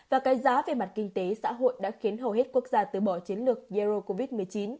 và cái giá về mặt kinh tế xã hội đã khiến hầu hết quốc gia tứ bỏ chiến lược zero covid một mươi chín